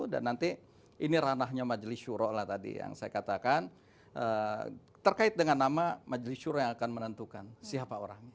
dan nanti ini ranahnya majelis shura lah tadi yang saya katakan terkait dengan nama majelis shura yang akan menentukan siapa orang